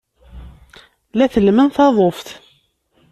La tellmen taḍuft.